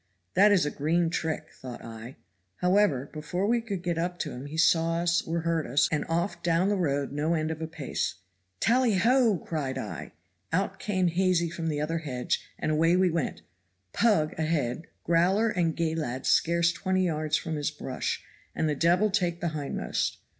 'That is a green trick,' thought I. However, before we could get up to him he saw us or heard us, and off down the road no end of a pace. 'Tally ho!' cried I. Out came Hazy from the other hedge, and away we went 'Pug' ahead, 'Growler' and 'Gay lad' scarce twenty yards from his brush, and the devil take the hindmost.